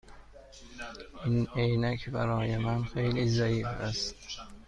این عینک برای من خیلی ضعیف است.